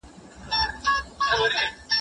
چي د شر تخم